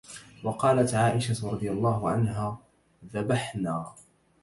وَقَالَتْ عَائِشَةُ رَضِيَ اللَّهُ عَنْهَا ذَبَحْنَا